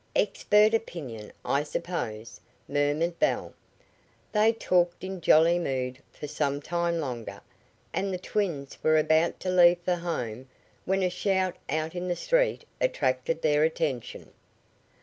"Expert opinion, I suppose," murmured Belle. They talked in jolly mood for some time longer, and the twins were about to leave for home when a shout out in the street attracted their attention.